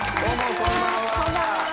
こんばんは。